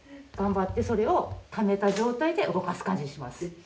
頑張ってそれをためた状態で動かす感じにします。